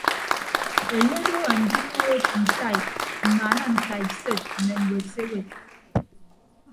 Enye odo andikood ntaib mmaana ntaibsed mme ñwed se ñwed.